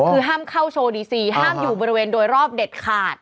คือห้ามเข้าโชว์ดีซีห้ามอยู่บริเวณโดยรอบเด็ดขาด